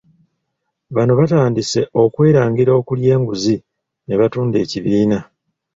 Bano batandise okwerangira okulya enguzi ne batunda ekibiina .